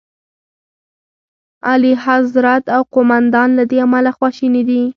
اعلیخضرت او قوماندان له دې امله خواشیني دي.